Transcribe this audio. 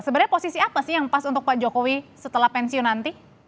sebenarnya posisi apa sih yang pas untuk pak jokowi setelah pensiun nanti